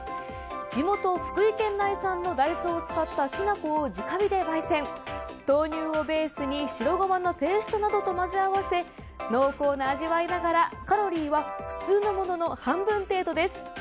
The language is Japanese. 地元・福井県内産の大豆を使ったきな粉を直火で焙煎豆乳をベースに白ゴマのペーストなどと混ぜ合わせ濃厚な味わいながらカロリーは普通のものの半分程度です。